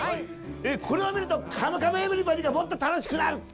これを見ると「カムカムエヴリバディ」がもっと楽しくなる。